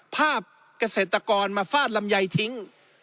เกษตรกรมาฟาดลำไยทิ้ง